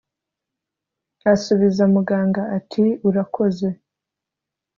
asubiza muganga ati" urakoze